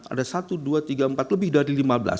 ada satu dua tiga empat lebih dari lima belas